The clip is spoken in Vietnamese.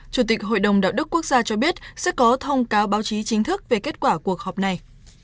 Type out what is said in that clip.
chủ tịch hội đồng đạo đức quốc gia cho biết sẽ có thông cáo báo chí chính thức về kết quả cuộc họp này